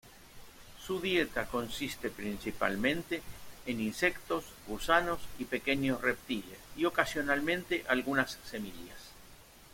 Su dieta consiste principalmente en insectos, gusanos y pequeños reptiles y ocasionalmente algunas semillas.